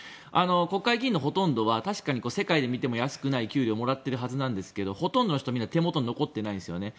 国会議員のほとんどは世界で見ても安くない給料をもらっているはずですがほとんどみんな手元に残ってないんですよね。